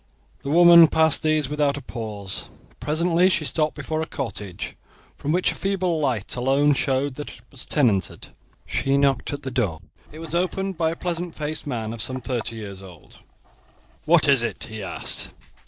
The woman passed these without a pause. Presently she stopped before a cottage, from which a feeble light alone showed that it was tenanted. She knocked at the door. It was opened by a pleasant faced man of some thirty years old. "What is it?" he asked.